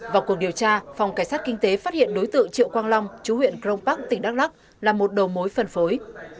vào cuộc điều tra phòng cảnh sát kinh tế phát hiện đối tự triệu quang long chú huyện krong pak tỉnh đắk lắc là một đầu mối phân phối